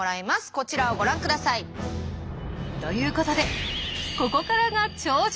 こちらをご覧ください。ということでここからが頂上決戦！